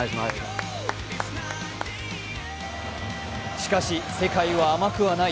しかし世界は甘くはない。